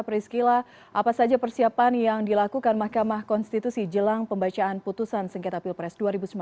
priscila apa saja persiapan yang dilakukan mahkamah konstitusi jelang pembacaan putusan sengketa pilpres dua ribu sembilan belas